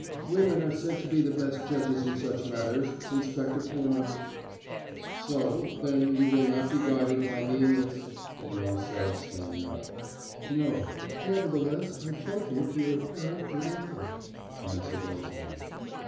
"Women are said to be the best judges in such matters, Inspector Furneaux." "So, then, you will not be guided by me in this?" Furneaux said, standing up. "No. Nevertheless, I thank you for your apparent good intent," answered Rosalind.